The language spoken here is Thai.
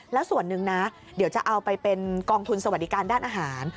แล้วส่วนหนึ่งนะเดี๋ยวจะเอาไปเป็นกองทุนสวัสดิการด้านอาหาร